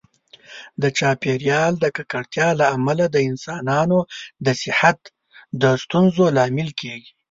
د چاپیریال د ککړتیا له امله د انسانانو د صحت د ستونزو لامل کېږي.